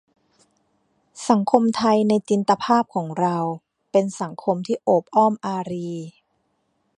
สังคมไทยในจินตภาพของเรา เป็นสังคมที่โอบอ้อมอารี